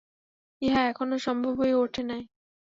ইহা এখনও সম্ভব হইয়া উঠে নাই।